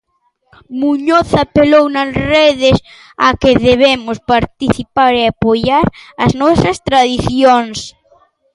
Muñoz apelou na redes a que debemos participar e apoiar as nosas tradicións.